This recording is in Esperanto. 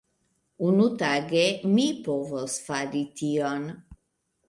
Unutage mi povos fari tion.